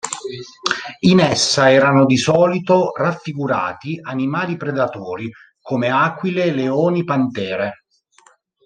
In essa erano di solito raffigurati animali predatori come aquile, leoni, pantere.